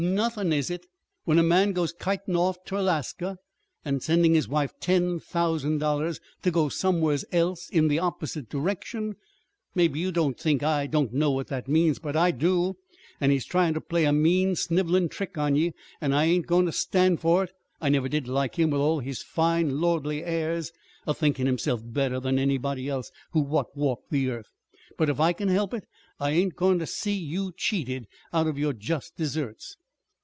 "Nothin', is it? when a man goes kitin' off ter Alaska, and sendin' his wife ten thousand dollars ter go somewheres else in the opposite direction! Maybe you think I don't know what that means. But I do! And he's tryin' ter play a mean, snivelin' trick on ye, and I ain't goin' ter stand for it. I never did like him, with all his fine, lordly airs, a thinkin' himself better than anybody else what walked the earth. But if I can help it, I ain't goin' ter see you cheated out of your just deserts."